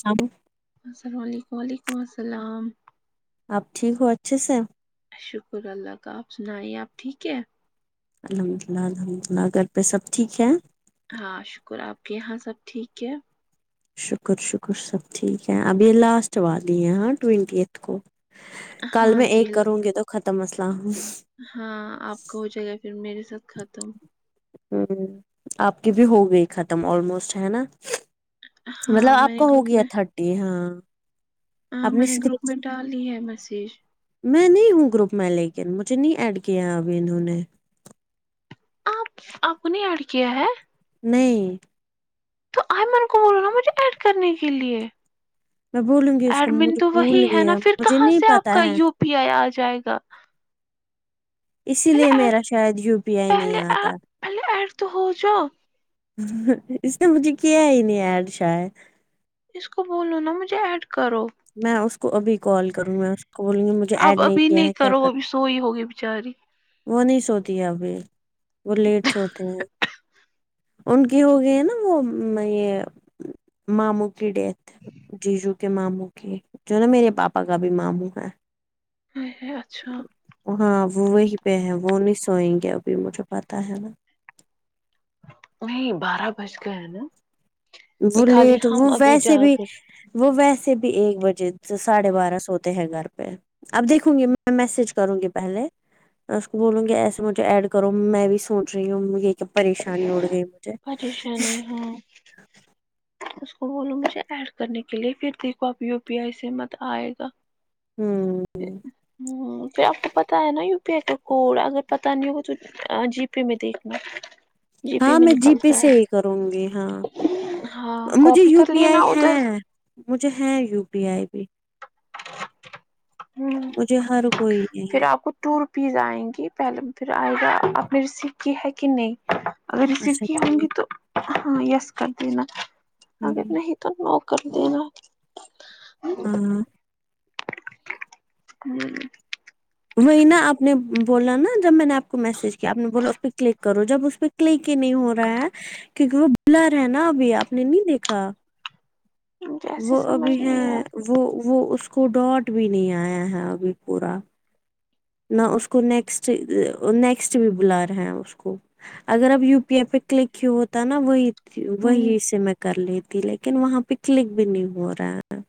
سامو السلاولیکم وعلیکم السلام آپ ٹھیک ہو اچھے سے شکر اللہ کا آپ سنائیے آپ ٹھیک ہے الحمد للہ الحمد اللہ گھر پہ سب ٹیک ہے ہاں شکر آپ کے یہاں سب ٹھیک ہے شکر شکر سب ٹھیک ہے ابھی یہ لاسٹ والای ہے ہاں ٹوینٹی ایٹھ کو کل ہاں میں ایک جی کروں گی تو ختم مسئلہ ہاں آپ کا ہو جائے گا پھر میرے ساتھ ختم آپ کی بھی ہو گئی ختم آلموسٹ ہے نا مطلب ہاں میں آپ نے کا ہو گروپ گیا تھٹی ہاں آں آپ میں نے گروپ اسکرین میں ڈال لی ہے میسیج میں نہیں ہوں گروپ میں لیکن مجھے نہیں ایڈ کیا اب انہوں نے آپ آپ نے ایڈ کیا ہے نہیں تو ایمن کو بولو نا مجھے ایڈ کرنے کے لیے میں بولوں گی اس کو ایڈمن مجھے تو وہی بھول ہے نا گیا پھر مجھے کہاں نہیں سے آپ پتا کا ہے یو پی آئی آ جائے گا اسی پہلے لیے ایڈ میرا شاید یو پی آئی نہیں پہلے آتا ایڈ- پہلے ایڈ تو ہوجاؤ اس نے مجھے کیا ہی نہیں ایڈ شاید اس کو بولو نا مجھے ایڈ کرو میں اس کو ابھی کال کروں میں اس کو بولوں گی مجھے اب ایڈ نہیں ابھی کیا ہے کیا کرو کر ابھی سوئی ہوگی بچاری وہ نہیں سوتی ہے ابھی وہ لیٹ سوتے ہیں ان کی ہو گئ ہے نا وہ میے ماموں کی ڈیتھ جیجو کے ماموں کے جو نا میرے پاپا کا بھی ماموں ہے ہے ہے اچھا ہاں وہ وہی پہ ہیں وہ نہیں سوئیں گے ابھی مجھے پتا ہے نہیں بارہ بج گئے نا یہ وہ خالی لیٹ ہم وہ ابھی جا ویسے بھی کر وہ ویسے بھی ایک بجے سے ساڑھے بارہ سوتے ہیں گھر پہ اب دیکھوں گی میں میسج کروں گی پہلے میں اس کو بولوں گی ایسے مجھے ایڈ کرو میں بھی سوچ رہی ہوں یہ کہ پریشانی اڑ گئی مجھے پریشانی ہاں اس کو بولو مجھے ایڈ کرنے کے لیے پھر دیکھو آپ یو پی آئی سے مت آئے گا ہوں او پھر آپ کو پتا ہے نا یو پے کا کوڈ اگر پتا نہیں ہو جی پے میں دیکھ ہاں میں جی پے سے ہی کرونگی ہاں ہاں مجھے کاپی یو کر پی لینا آئی ہے ادھر مجھے ہے یو پی آئی بھی ہا مجھے ہر کوئی ہے پھر آپ کو ٹو روپیز آئیں گی پہلے پھر آئے گا آپ نے ریسیو کی ہے کہ نہیں اگر ریسیو اچھا کی ہونگے ٹھیک گی تو ہاں یس کر دینا اگر ہوں نہیں تو نوکر دینا ہے ہاں ہوں وہی نا آپ نے بولا نا جب میں نے آپ کو میسج کیا آپ نے بولا اس پہ کلک کرو جب اس پہ کلے کے نہیں ہو رہا ہے کیونکہ وہ بلر ہے نا ابھی آپ نے نہیں دیکھا جیسے وہ سمجھ ابھی ہے نہیں آیا وہ وہ اس کو ڈاٹ بھی نہیں آیا ہے ابھی پورا نہ اس کو نیکسٹ نیکسٹ بھی بلا رہے ہیں اس کو اگر آپ و پی آئی پہ کلک ہی ہوتا ہے نا وہی ہوں وہی سے میں کر لیتی لیکن وہاں پے کلک بھی نہیں ہو رہا ہے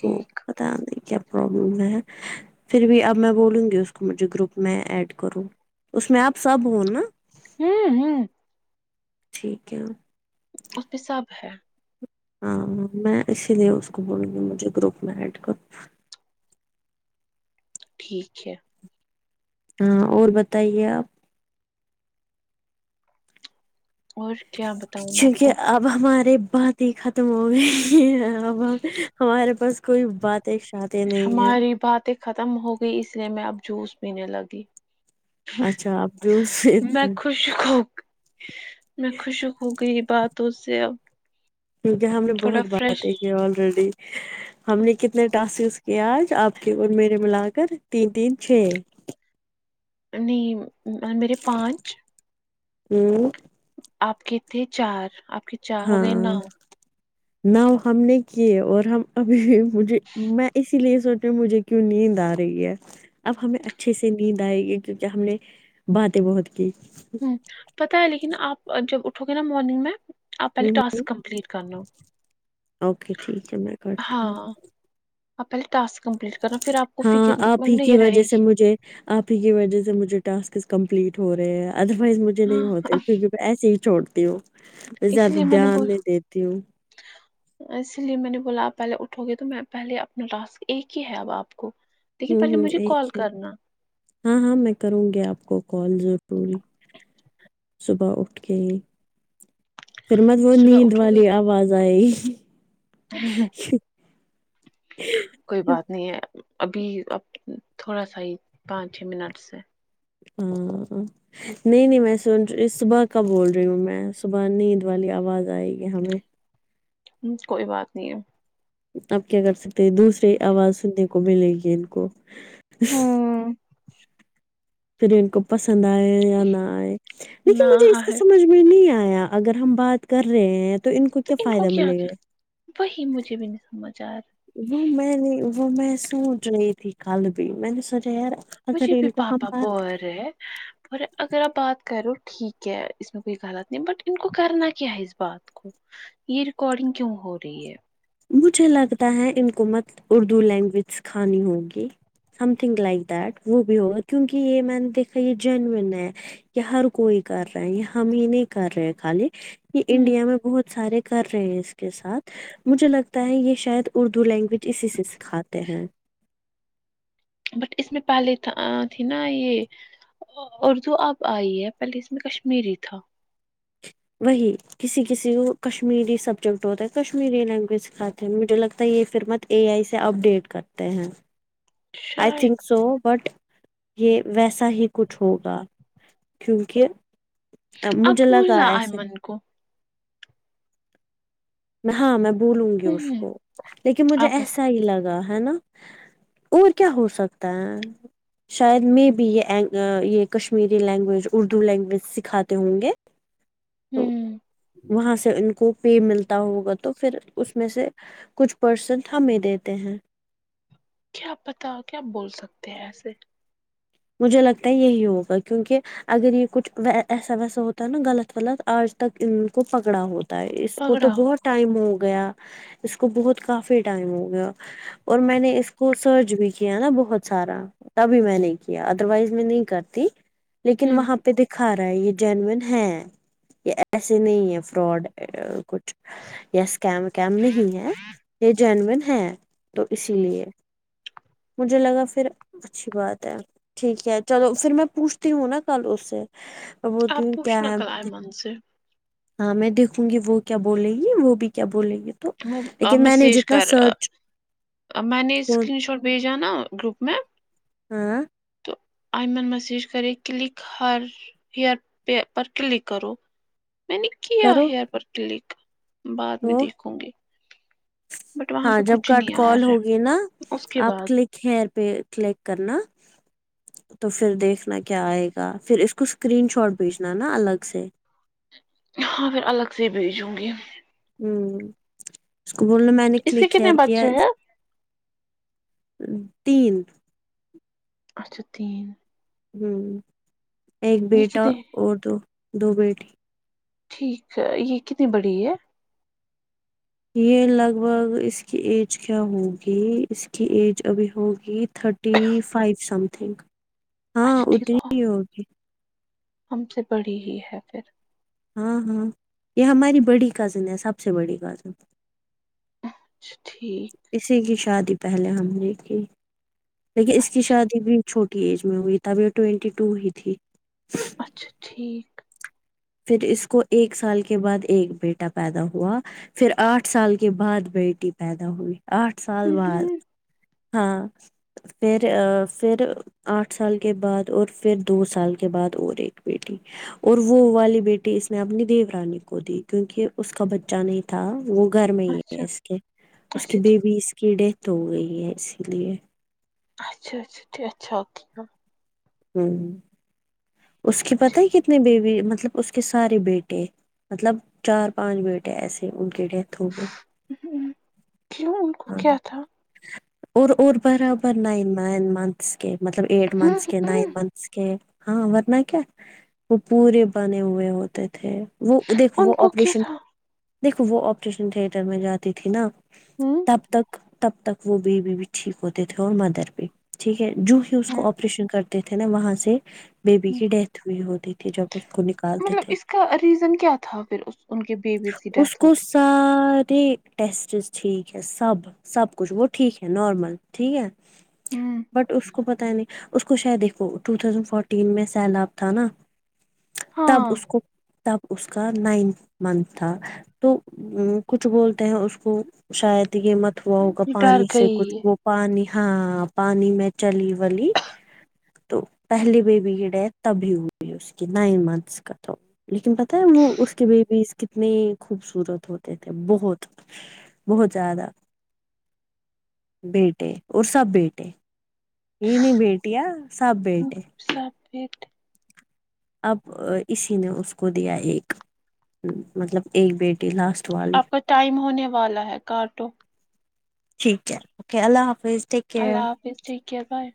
کو پتا نہیں کیا پرابلم ہے پھر بھی اب میں بولوں گی اس کو مجھے گروپ میں ایڈ کروں اس میں آپ سب ہو نا ھمم ھمم ٹھیک ہے اس پے سب ہے ہاں میں اسی لیے اس کو بولوں گی مجھے گروپ میں ایڈ کر ٹھیک ہے ہاں اور بتائیے آپ اور کیا بتاؤں میں آپ کو واہ وا رے بات ہی ختم ہو گئی اب ہم ہمارے پاس کوئی بات ہے شاہد ہماری باتیں ختم ہو گئی اس لیے میں اب جوس پینے لگی اچھا آپ جوس میں پیتے ہیں، خوش ہوگئی میں خوش ہو گئی باتوں سے اب کیونکہ ہم نے تھوڑا بہت فریش باتیں کی آلریڈی ہم نے کتنے ٹاسکس کیا آج آپ کے اور میرے ملا کر تین تین چھ نہیں میرے پانچ ھمم آپ کے تھے چار آپ کے چار ہو گئے نو ہاں نو ہم نے کیے اور ہم ابھی مجھے میں اسی لیے سونچ رہی ہو مجھے کیوں نیند آ رہی ہے اب ہمیں اچھے سے نیند آئے گی کیونکہ ہم نے باتیں بہت کی پتہ ہے لیکن آپ جب اٹھو گے نا مارننگ میں آپ پہلے ہوں ٹاسک کمپلیٹ کرلو اوکے ٹھیک ہے میں کرتی ہوں آپ پہلے ٹسک کمپلیٹ کرنا پھر آپ کو ہاں فکر آپ مطلب ہی کی نہیں رہے وجہ سے گی مجھے آپ ہی کی وجہ سے مجھے ٹاسکس کمپلیٹ ہو رہے ہیں ادر وائز مجھے نہیں ہاں ہوتے کیوکہ ایسے ہی چھوڑتی ہو اس لیے میں نے بولا اسی لیے میں نے بولا آپ پہلے اٹھو گے تو میں پہلے اپنا ٹاسک ایک ہی ہے اب آپ کو لیکن ہوں پہلے ہوں مجھے ایک کال ہی کرنا ہاں ہاں میں کروں گی آپ کو کال ضرور صبح اٹھ کے ہی پھر مت وہ صبح نیند اٹھو گے والی تو آواز آئیگی کوئی بات نہیں ہے ابھی اب تھوڑا سا ہی پانچ چھ منٹ سے ھمم نہیں نہیں میں سونچ صبح کا بول رہی ہوں میں صبح نیند والی آواز آئے گی ہمیں ھم کوئی بات نہیں ہے اب کیا کر سکتے دوسری آواز سننے کو ملے گی ان کو ہوں پھر ان کو پسند آئے یا نہ آئے لیکن نہ مجھے اس کا ہے سمجھ میں نہیں آیا اگر ہم بات کر رہے ہیں تو تو کیا ان کو فائدہ کیا ملے گا کیا وہی مجھے بھی نہیں سمجھ آ رہا وہ میں نے وہ میں سونچ رہی تھی کل بھی میں نے سونچا کے یار اگر ان کو ہم بات ہیں اور اگر آپ بات کرو ٹھیک ہے اس میں کوئی غلط نہیں بٹ ان کو کرنا کیا ہے اس بات کو یہ ریکارڈنگ کیوں ہو رہی ہے مجھے لگتا ہے ان کو مت اردو لینگویج سکھانی ہوگی سم تھنگ لائک دیٹ وہ بھی ہوگا کیونکہ یہ میں نے دیکھا یہ جینون ہے کہ ہر کوئی کر رہا ہےیہ ہم ہی نہیں کر رہے ہیں خالی یہ ہوں انڈیا میں بہت سارے کر رہے ہیں اس کے ساتھ مجھے لگتا ہے یہ شاید اردو لینگویج اسی سے سکھاتے ہیں بٹ اس میں پہلے تھا آ تھی نا یے اردو اب آئی ہے پہلے اس میں کشمیری تھا وہی کسی کسی کو کشمیری سبجیکٹ ہوتا ہے کشمیری لینگویج سکھاتے ہیں مجھے لگتا ہے یے فیر مت اے آئی سے اپ ڈیٹ کرتے ہیں آئی شاید تھنک سو بٹ یے ویسا ہی کچھ ہوگا کیونکہ آ اب مجھے لگا بولنا ایسے ایئمن کو ہاں میں بولوں گی ہ اس کو لیکن مجھے اب ایسا ہی لگا ہے نا اور کیا ہو سکتا ہے شاید میں بی یے یے کشمیری لینگویج اردو لینگویج سکھاتے ہوں گے تو آمم وہاں سے ان کو فی ملت تا ہوگا تو فیر اس میں سے کچھ پرسنٹ ہمیں دیتے ہیں کیا پتا کیا بول سکتے ہیں ایسے مجھے لگتا ہے یہی ہوگا کیونکہ اگر یے کچھ ایسا ویسا ہوتا ہے نا غلط غلط آج تک ان کو پکڑا ہوتا تا اس کو تو پگڑا بہت ٹائم ہو گیا اس کو بہت کافی ٹائم ہو گیا اور میں نے اس کو سرچ بھی کیا نا بہت سارا تبھی میں نے کیا ادر وائز میں نہیں کرتی لیکن ہوں وہاں پے دکھا رہا ہے یے جینوین ہے یے ایسے نہیں ہیں فراڈ کچھ یا کیم کیم نہیں ہے یے جینون ہے تو اسی لیے مجھے لگا فیر اچھی بات ٹھیک ہے چلو فیر میں پوچھتی ہوں نا کل اس سے اب وہ آپ دھوم کیا پوچھنا ہے کل اتے ایئمن سے ہاں میں دیکھوں گی وہ کیا بولے گی وہ بھی کیا بولے گی تو وہ آ لیکن میں نے میسیج جتنا کر سرچ میں نے کو اسکرین شاٹ بھیجا نا گروپ میں آ آ آئی من مسیج کرے کلک ہر ہیئر پے پر کلک کرو میں نے کیا کرو ہیئر پر کلک بعد میں تو دیکھوں گی بٹ وہاں ہاں پہ جب کچھ نہیں کٹ کال یار ہوگی نا اس کے آپ بعد کلک ک ہیر پے کلک کرنا تو فیر دیکھنا کیا آئے گا فیر اس کو اسکرین شاٹ بھیجنا نا الگ سے ہاں پھر الگ سے بھیجوں گی آمم اس کو بولنا میں نے اس کے کلک کتنے ہیر کیا بچے ہیں تین اچھا تین آمم ایک یہ بیٹا کتنے اور دو دو بیٹی ٹھیک ہے یے کتنی بڑی ہے یے لگ بھگ اس کی ایج کیا ہوگی اس کی ایج ابھی ہوگی thirty five something ہاں اچھا ٹھیک اتنی تو ہی ہوگی ہم سے بڑی ہی ہے پھر ہاں ہاں یے ہماری بڑی کزن ہے سب سے بڑی کزن اچھا ٹھیک اسی کی شادی پہلے ہم نے کی لیکن اس کی اچھا شادی بھی چھوٹی کی ایج میں ہوئی تب یہ ٹوینٹی ٹو ہی تھی اچھا ٹھیک پھر اس کو ایک سال کے بعد ایک بیٹا پیدا ہوا پھر آٹھ سال کے بعد بیٹی پیدا ہوئی آٹھ سال بعد ہاں فیر آ فیر آٹھ سال کے بعد اور فیر دو سال کے بعد اور ایک بیٹی اور وہ والی نی بیٹی اس نے اپنی دیو رانی کو دی کیونکی اس کا بچہ نہیں تھا وہ گھر میں ہی اچھا اچھا ہے اس ٹھیک کے اچھا اس کی بیبی اس کی ڈیتھ ہو گئی ہے اسی لیے اچھا اچھا اچھا اچھا ہ اس کے پتا ہے کتنے بیبی مطلب اس کے سارے بیٹے مطلب چار پانچ بیٹے ایسے ان کی ڈیتھ ہو گئی ہ کیوں ان کو ہاں کیا تھا اور اور برابر نائن منتھس کے مطلب ایٹ منتھس کے نائن منتھس کے ہاں ورنہ کیا وہ پورے بنے ہوئے ہوتے تھے وہ دیکھ ان وہ کو کیا آپریشن تھا دیکھو وہ آپریشن تھیٹر میں جاتی تھی نا تب تک تب تک وہ بیبی بھی ٹھیک ہوتے تھے اور مدر بھی ٹھیک ہے جوں ہی اس کو آپریشن کرتے تھے نا وہاں سے بیبی کی ڈیتھ ہوئی ہوتی تھی جب اس کو نکالتے مطلب تھے اس کا ریزن کیا تھا پھر کے ان کے بیبی اس کو سارے ٹیسٹس ٹھیک ہے سب سب کچھ وہ ٹھیک ہے نارمل ٹھیک ہے ہوں بٹ اس کو پتا نہیں اس کو شاید دیکھو ٹو تھوسنڈ فورٹین میں سیلاب تھا نا تب ہاں اس کو تب اس کا نائنتھ منتھ تھا تو کچھ وہ ہیں اس کو شاید ہی یہ مت ہوا ہوگا ڈر پانی سے کچھ گئی وہ پانی ہاں پانی میں چلی ولی تو پہلی بیبی کی ڈیتھ تبھی ہوئی اس کی نائن منتھس کا تو لیکن پتہ ہے وہ اس کے بیبیز کتنے خوبصورت ہوتے تھے بہت بہت زیادہ بیٹے اور سب بیٹے انی بیٹیاں ساب بیٹے سب بیٹے اب اسی نے اس کو دیا ایک مطلب ایک بیٹی لاسٹ والی آپ کا ٹائم ہونے والا ہے کاٹو ٹھیک ہے اوکے اللہ حافظ ٹک اللہ حافظ ٹھیک ہے بیے